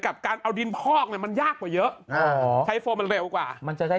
กับการเอาดินพอกเนี่ยมันยากกว่าเยอะ